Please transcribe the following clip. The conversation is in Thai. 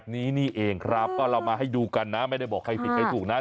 นี้นี่เองครับก็เรามาให้ดูกันนะไม่ได้บอกใครผิดใครถูกนะ